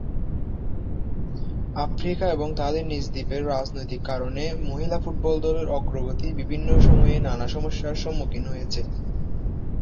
Africa এবং তাদের নিজ দ্বীপের রাজনৈতিক কারণে মহিলা ফুটবল দলের অগ্রগতি বিভিন্ন সময়ে নানা সমস্যার সম্মুখীন হয়েছে।